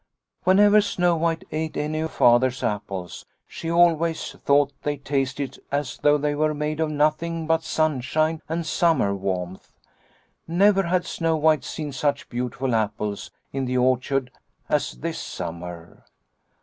Whenever Snow White ate any of Father's apples she always thought they tasted as though they were made of nothing but sunshine and summer warmth. Never had Snow White seen such beautiful apples in the orchard as this summer.